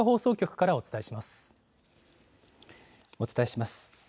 お伝えします。